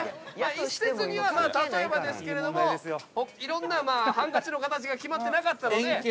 一説には例えばですけれどもいろんなハンカチの形が決まってなかったので。